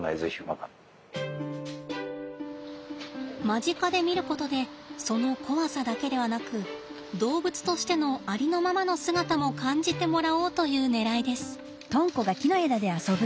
間近で見ることでその怖さだけではなく動物としてのありのままの姿も感じてもらおうというねらいです。